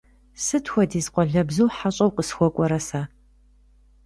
Сыт хуэдиз къуалэбзу хьэщӀэу къысхуэкӀуэрэ сэ!